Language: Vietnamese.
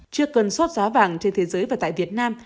trước cân suất giá vàng trên thế giới và tại việt nam